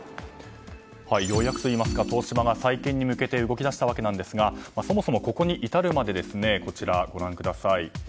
ようやくといいますか東芝が再建に向けて動き出したわけですがそもそも、ここに至るまでこちらご覧ください。